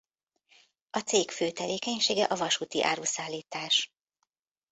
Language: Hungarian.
A cég fő tevékenysége a vasúti áruszállítás.